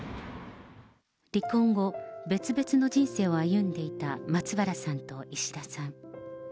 離婚後、別々の人生を歩んでいた松原さんと石田さん。